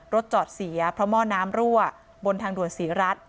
รถจอดเสียเพราะหม้อน้ำรั่วบนทางด่วนศรีรัฐ